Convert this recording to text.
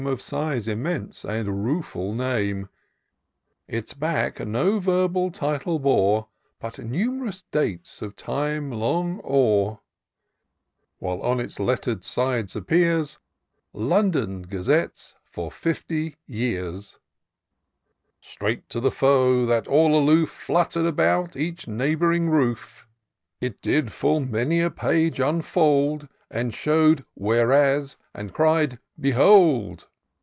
Of size immense and ruefrd name : Its back no verbal title bore ; But numerous dates of time long o*er : While on its letter'd sides appears * London Gazettes for Fifty Years!!' Straight to the foe, that, all aloof, Flutter'd about each neighb'ring roof. I IN SEARCH OF THE PICTURESQUE. 331 It did full many a page unfold, And show'd WL^mBSf and cried, ' Behold